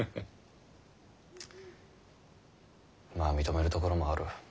まあ認めるところもある。